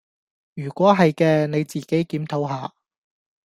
如果係既你自己檢討下